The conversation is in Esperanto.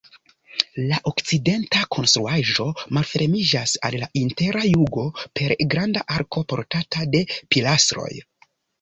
La okcidenta konstruaĵo malfermiĝas al la intera jugo per granda arko portata de pilastroj.